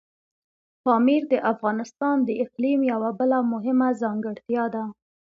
پامیر د افغانستان د اقلیم یوه بله مهمه ځانګړتیا ده.